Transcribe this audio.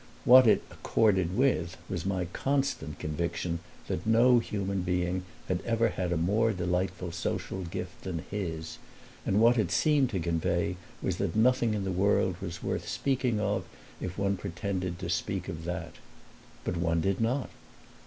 What it accorded with was my constant conviction that no human being had ever had a more delightful social gift than his, and what it seemed to convey was that nothing in the world was worth speaking of if one pretended to speak of that. But one did not!